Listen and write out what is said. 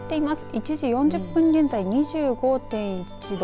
１時４０分現在、２５．１度。